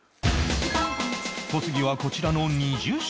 小杉はこちらの２０品